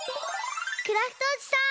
クラフトおじさん！